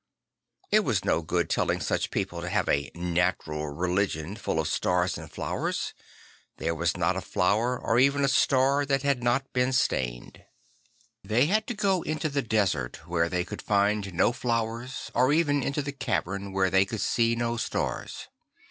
It was no good telling such people to have a natural religion full of stars and flowers; there was not a flower or even a star that had not been stained. They had to go into the desert where they could find no flowers or even into the ca vern where they could see no stars.